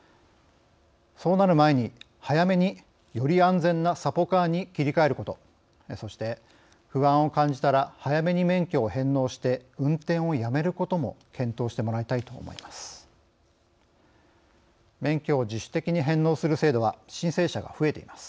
そうなる前に早めにより安全なサポカーに切り替えることそして不安を感じたら早めに免許を返納して運転をやめることも検討してもらいたいと思います。